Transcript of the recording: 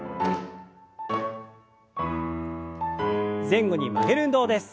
前後に曲げる運動です。